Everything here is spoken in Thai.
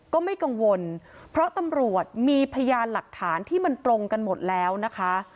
ก็ไม่กังวลเพราะตำรวจมีพยานหลักฐานที่มันตรงกันหมดแล้วนะคะ